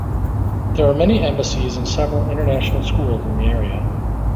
There are many embassies and several international schools in the area.